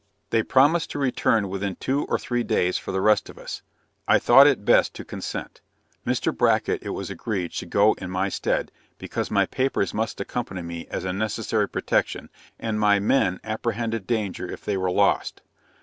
They promised to return within two or three days for the rest of us I thought it best to consent Mr. Bracket it was agreed should go in my stead, because my papers must accompany me as a necessary protection, and my men apprehended danger if they were lost.